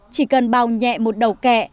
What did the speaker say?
chỉ cần bao nhẹ một đầu kẹ